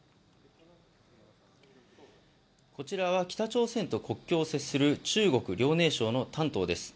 こちらは北朝鮮と国境を接する中国・遼寧省の丹東です。